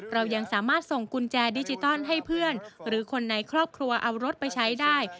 เรายังสามารถส่งกุญแจดิจิตอลให้เพื่อนหรือคนในครอบครัวเอารถไปใช้ได้